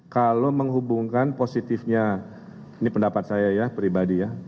kalau menghubungkan positifnya ini pendapat saya ya pribadi ya